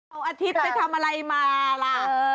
เอาอาทิตย์ไปทำอะไรมาล่ะ